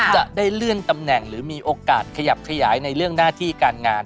จะได้เลื่อนตำแหน่งหรือมีโอกาสขยับขยายในเรื่องหน้าที่การงาน